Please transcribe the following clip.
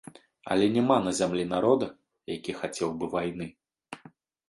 Але няма на зямлі народа, які хацеў бы вайны.